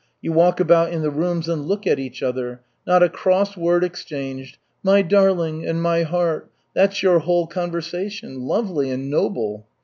You walk about in the rooms and look at each other. Not a cross word exchanged. 'My darling' and 'my heart' that's your whole conversation. Lovely and noble!"